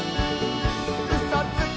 「うそつき！」